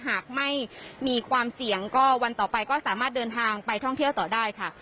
หากไม่มีความเสี่ยงก็วันต่อไปก็สามารถเดินทางไปท่องเที่ยวต่อได้ค่ะ